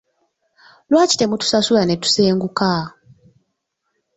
Lwaki temutusasula netusenguka?